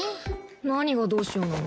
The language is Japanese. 何が「どうしよう」なの？